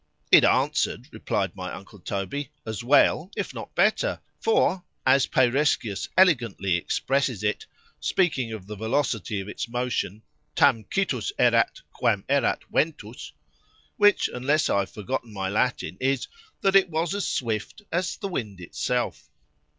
It answered, replied my uncle Toby, as well, if not better; for, as Peireskius elegantly expresses it, speaking of the velocity of its motion, Tam citus erat, quam erat ventus; which, unless I have forgot my Latin, is, _that it was as swift as the wind itself.